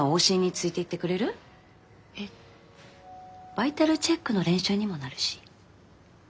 バイタルチェックの練習にもなるし。